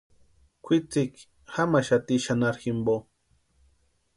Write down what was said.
Kwʼitsiki jamaxati xanharu jimpo.